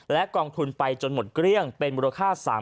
และกองทุนไปจนหมดเกลี้ยงเป็นมูลค่า